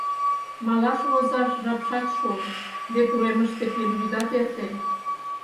Малаш возаш жапшат шуын, вет уремыште пелйӱдат эртен.